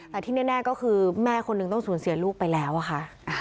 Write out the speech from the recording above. แต่ที่แน่ก็คือแม่คนหนึ่งต้องสูญเสียลูกไปแล้วอะค่ะ